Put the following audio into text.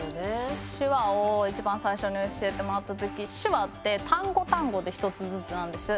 手話を一番最初に教えてもらった時手話って単語単語で１つずつなんです。